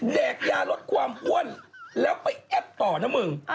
แกกยาลดความอ้วนแล้วไปแอปต่อนะมึง